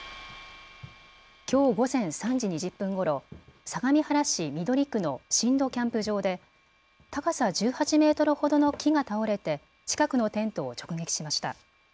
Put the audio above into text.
きょう午前３時２０分ごろ相模原市緑区の新戸キャンプ場で高さ１８メートルほどの木が倒れて近くのテントを直撃しました。